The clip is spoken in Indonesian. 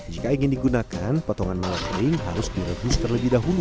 jika ingin digunakan potongan marketing harus direbus terlebih dahulu